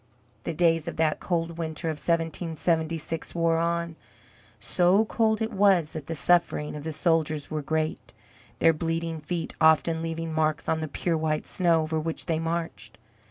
The days of that cold winter of 1776 wore on; so cold it was that the sufferings of the soldiers were great, their bleeding feet often leaving marks on the pure white snow over which they marched.